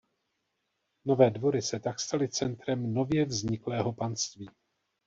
Nové Dvory se tak staly centrem nově vzniklého panství.